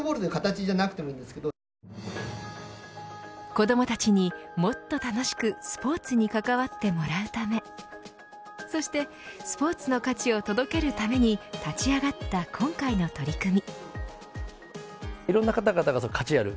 子どもたちにもっと楽しくスポーツに関わってもらうためそして、スポーツの価値を届けるために立ち上がった今回の取り組み。